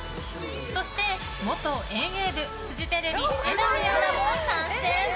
そして、元遠泳部フジテレビ榎並アナも参戦。